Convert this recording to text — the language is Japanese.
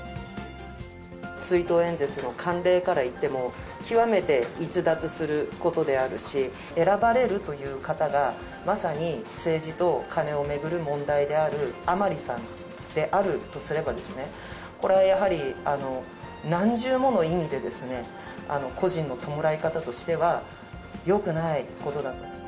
追悼演説の慣例からいっても、極めて逸脱することであるし、選ばれるという方が、まさに政治とカネを巡る問題である甘利さんであるとすれば、これはやはり何重もの意味で、故人の弔い方としては、よくないことだと。